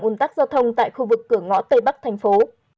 ồn tắc giao thông tại khu vực cửa ngõ tây bắc thành phố